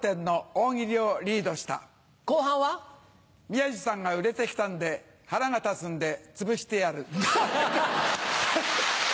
宮治さんが売れて来たんで腹が立つんでつぶしてやる。